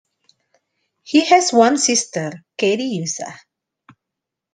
He has one sister, Katiucia.